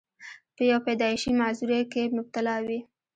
پۀ يو پېدائشي معذورۍ کښې مبتلا وي،